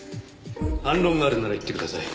反論があるなら言ってください。